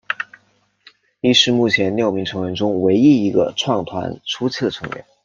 亦是目前六名成员中唯一一个创团初期的成员。